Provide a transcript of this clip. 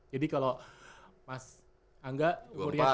jadi kalau mas angga umurnya dua puluh gitu ya